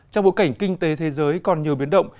trong bộ cảnh kinh tế thế giới còn nhiều biến động